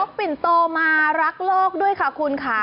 ปิ่นโตมารักโลกด้วยค่ะคุณค่ะ